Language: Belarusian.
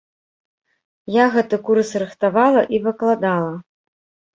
Я гэты курс рыхтавала і выкладала.